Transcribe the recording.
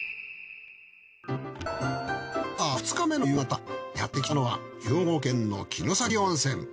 ツアー２日目の夕方やってきたのは兵庫県の城崎温泉。